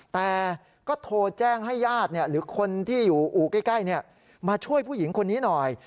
แต่ก็โทรแจ้งให้ญาติหรือคนที่อยู่อู่ใกล้มาช่วยผู้หญิงคนนี้หน่อย